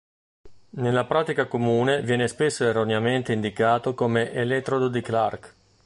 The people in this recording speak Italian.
Nella pratica comune viene spesso erroneamente indicato come "elettrodo di Clark".